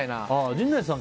陣内さん